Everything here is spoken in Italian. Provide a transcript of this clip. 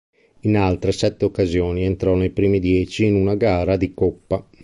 In altre sette occasioni entrò nei primi dieci in una gara di Coppa.